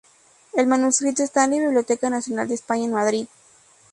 El manuscrito está en la Biblioteca Nacional de España en Madrid.